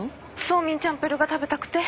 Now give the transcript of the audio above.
☎ソーミンチャンプル−が食べたくて。